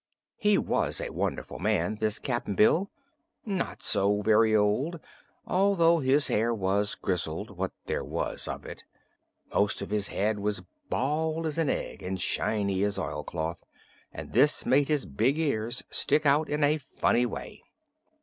He was a wonderful man, this Cap'n Bill. Not so very old, although his hair was grizzled what there was of it. Most of his head was bald as an egg and as shiny as oilcloth, and this made his big ears stick out in a funny way.